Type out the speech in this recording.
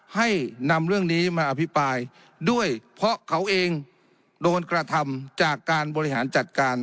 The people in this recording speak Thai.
ให้นำเรื่องนี้มาอภิปรายด้วยเพราะเขาเองโดนกระทำจากการบริหารจัดการ